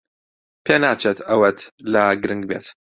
پێناچێت ئەوەت لا گرنگ بێت.